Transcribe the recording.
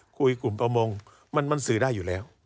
กลุ่มประมงมันสื่อได้อยู่แล้ว